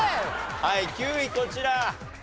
はい９位こちら。